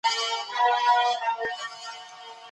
د سهارنۍ نه خوړل د انسان حافظه د وخت په تېرېدو کمزورې کوي.